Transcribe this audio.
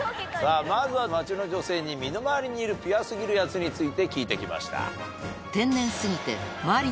まずは街の女性に身の回りにいるピュア過ぎるヤツについて聞いてきました。